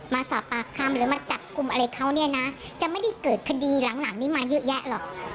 มาสอบปากคำหรือมาจับกลุ่มอะไรเขาเนี่ยนะจะไม่ได้เกิดคดีหลังนี้มาเยอะแยะหรอก